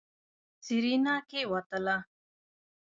سېرېنا کېوتله.